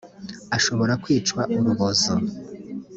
ashobora kwicwa urubozo.